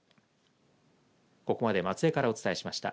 ここまで松江からお伝えしました。